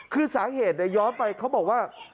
คือสาเหตุย้อนไปเขาบอกว่า